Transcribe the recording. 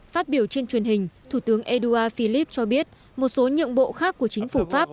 phát biểu trên truyền hình thủ tướng édouard philipp cho biết một số nhượng bộ khác của chính phủ pháp